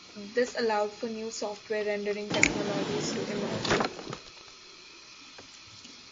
This allowed for new software rendering technologies to emerge.